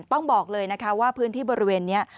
ต้องบอกเลยนะคะว่าพื้นที่บริเวณนี้